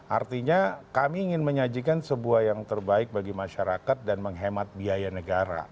artinya kami ingin menyajikan sebuah yang terbaik bagi masyarakat dan menghemat biaya negara